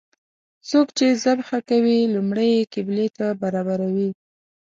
څوک چې ذبحه کوي لومړی یې قبلې ته برابروي.